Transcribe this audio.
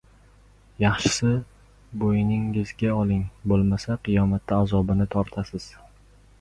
— Yaxshisi bo‘ynin- gizga oling, bo‘lmasa, qiyomatda azobini tortasiz!